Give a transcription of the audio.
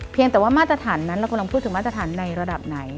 แต่ว่ามาตรฐานนั้นเรากำลังพูดถึงมาตรฐานในระดับไหน